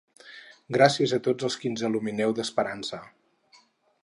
Gràcies a tots els qui ens il·lumineu d’esperança.